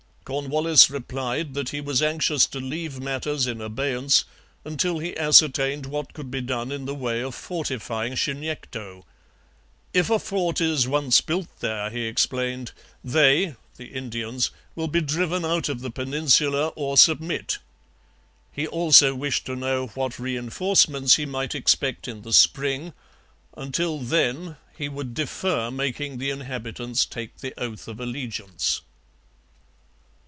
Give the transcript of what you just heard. Cornwallis replied that he was anxious to leave matters in abeyance until he ascertained what could be done in the way of fortifying Chignecto. 'If a fort is once built there,' he explained, 'they [the Indians] will be driven out of the peninsula or submit. He also wished to know what reinforcements he might expect in the spring. Until then he would 'defer making the inhabitants take the oath of allegiance.'